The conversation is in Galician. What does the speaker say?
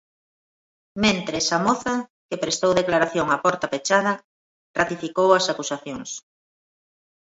Mentres a moza, que prestou declaración a porta pechada, ratificou as acusacións.